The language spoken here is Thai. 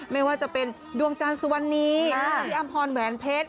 ไม่ว่าจะเป็นดวงจันทร์สุวรรณีพี่อำพรแหวนเพชร